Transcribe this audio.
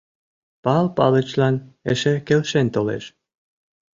Пал Палычлан эше келшен толеш.